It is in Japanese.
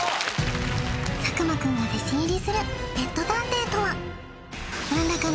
佐久間くんが弟子入りするペット探偵とは？